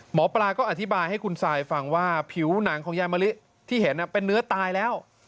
หมอปลาก็อธิบายให้คุณซายฟังว่าผิวหนังของยายมะลิที่เห็นเป็นเนื้อตายแล้ว